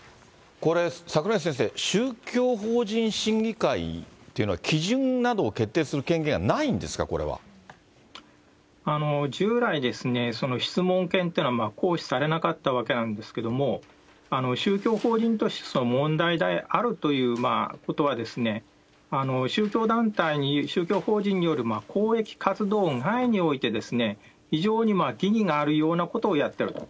これ、櫻井先生、宗教法人審議会っていうのは基準などを決定する権限はないんです従来ですね、質問権というのは行使されなかったわけなんですけれども、宗教法人として問題であるということは、宗教団体に、宗教法人による公益活動外において非常に疑義があるようなことをやってると。